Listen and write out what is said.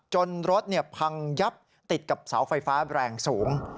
รถพังยับติดกับเสาไฟฟ้าแรงสูง